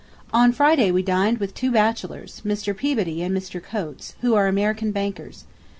On Friday we dined with two bachelors, Mr. Peabody and Mr. Coates, who are American bankers.